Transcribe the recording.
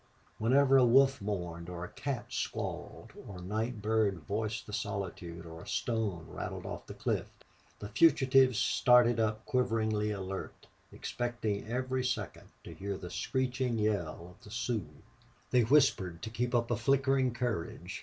Whenever a wolf mourned, or a cat squalled, or a night bird voiced the solitude, or a stone rattled off the cliff, the fugitives started up quiveringly alert, expecting every second to hear the screeching yell of the Sioux. They whispered to keep up a flickering courage.